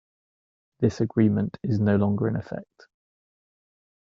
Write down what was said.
This agreement is no longer in effect.